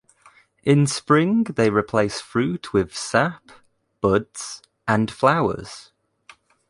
In spring they replace fruit with sap, buds, and flowers.